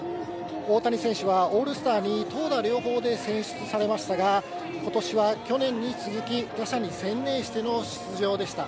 大谷選手はオールスターに投打両方で選出されましたが、ことしは去年に続き打者に専念しての出場でした。